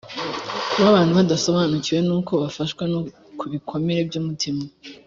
kuba abantu badasobanukiwe n uko bafashwa ku ibikomere by umutima